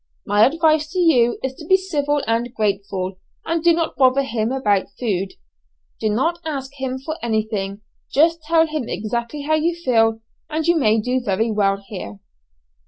My advice to you is to be civil and grateful, and do not bother him about food. Do not ask him for anything, just tell him exactly how you feel, and you may do very well here."